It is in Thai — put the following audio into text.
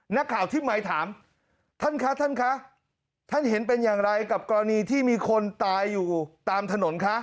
นักข่าวที่ไมค์ถามท่านคะท่านคะท่านเห็นเป็นอย่างไรกับกรณีที่มีคนตายอยู่ตามถนนคะ